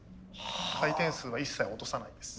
回転数は一切落とさないです。